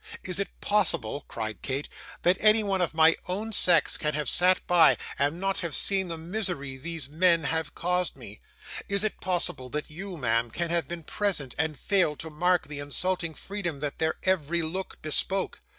Is it possible!' cried Kate, 'that anyone of my own sex can have sat by, and not have seen the misery these men have caused me? Is it possible that you, ma'am, can have been present, and failed to mark the insulting freedom that their every look bespoke?